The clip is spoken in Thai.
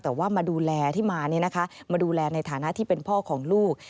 แต่ว่ามาดูแลที่มามาดูแลในฐานะที่เป็นพ่อของลูก